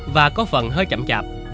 và có phần hơi chậm chạp